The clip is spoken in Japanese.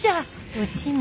うちも。